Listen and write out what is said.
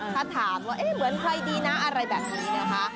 ถ้าถามว่าเหมือนใครดีนะอะไรแบบนี้นะคะ